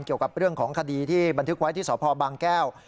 เกี่ยวกับเรื่องของคดีที่บันทึกไว้ที่สพบางแก้ว